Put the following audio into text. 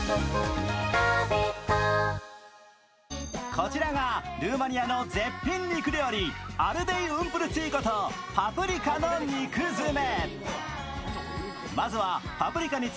こちらがルーマニアの絶品肉料理、アルデイ・ウンプルツィこと、パプリカの肉詰め。